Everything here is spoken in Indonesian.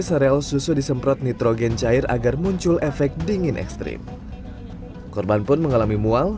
sereal susu disemprot nitrogen cair agar muncul efek dingin ekstrim korban pun mengalami mual